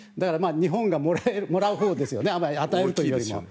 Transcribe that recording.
日本がもらうほうですよね与えるというよりも。